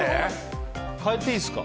変えていいですか？